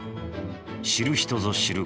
知る人ぞ知る